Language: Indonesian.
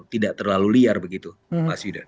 tidak terlalu liar begitu mas yuda